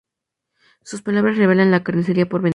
Sus palabras revelan la "carnicería" por venir.